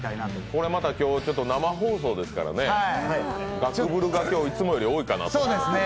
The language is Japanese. これまた今日、生放送ですからね、ガクブルがいつもより多いかなと。